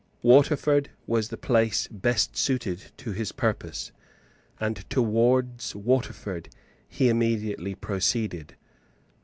Waterford was the place best suited to his purpose; and towards Waterford he immediately proceeded.